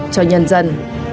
cho nhân dân